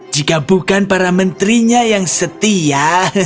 jika bukan para menterinya yang setia